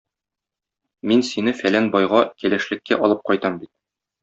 Мин сине фәлән байга кәләшлеккә алып кайтам бит.